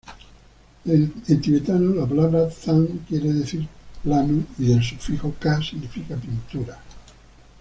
En tibetano la palabra 'than' quiere decir plano y el sufijo 'ka' significa pintura.